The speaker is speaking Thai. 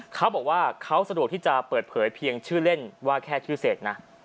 เขาบอกว่าเขาสะดวกที่จะเปิดเผยเพียงชื่อเล่นว่าแค่ชื่อเสกนะ